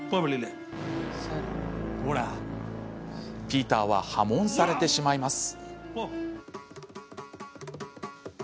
ピーターは破門されてしまいます。